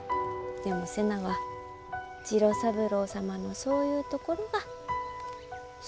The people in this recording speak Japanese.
でも瀬名は次郎三郎様のそういうところが好。